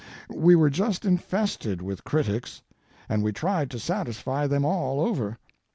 We were just infested with critics, and we tried to satisfy them all over.